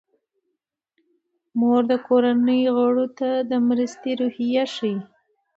مور د کورنۍ غړو ته د مرستې روحیه ښيي.